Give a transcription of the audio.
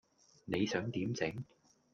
你想點整?